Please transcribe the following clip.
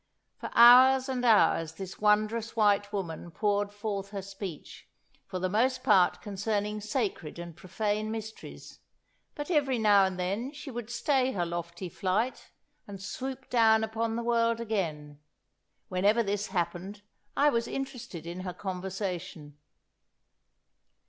"For hours and hours this wondrous white woman poured forth her speech, for the most part concerning sacred and profane mysteries; but every now and then she would stay her lofty flight, and swoop down upon the world again. Whenever this happened I was interested in her conversation."